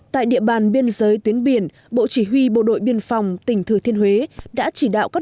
tại địa bàn biên giới tuyến biển bộ chỉ huy bộ đội biên phòng tỉnh thừa thiên huế đã chỉ đạo các